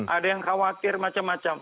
ada yang khawatir macam macam